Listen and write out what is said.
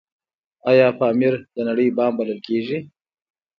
آیا پامیر د نړۍ بام بلل کیږي؟